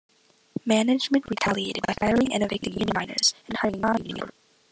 Management retaliated by firing and evicting union miners and hiring non-union labour.